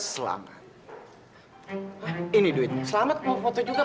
selamat ini duit selamat mau foto juga